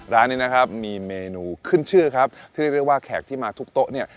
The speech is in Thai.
ร้านนี้นะครับมีเมนูขึ้นชื่อครับที่เรียกว่าแขกที่มาทุกโต๊ะเนี่ย